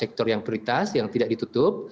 sektor yang prioritas yang tidak ditutup